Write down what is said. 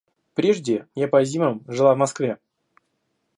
Прежде я по зимам жила в Москве...